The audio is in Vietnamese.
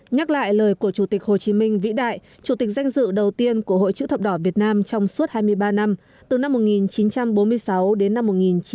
nhắc lại lời của chủ tịch hồ chí minh vĩ đại chủ tịch danh dự đầu tiên của hội chữ thập đỏ việt nam trong suốt hai mươi ba năm từ năm một nghìn chín trăm bốn mươi sáu đến năm một nghìn chín trăm bảy mươi năm